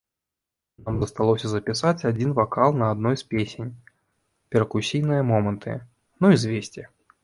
Нам засталося запісаць адзін вакал на адной з песень, перкусійныя моманты, ну і звесці.